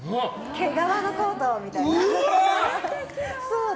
毛皮のコートみたいな。